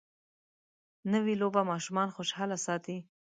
نوې لوبه ماشومان خوشحاله ساتي